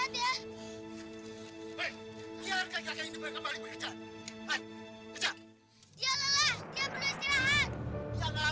juragan hentikan pekerjaan bangsa ini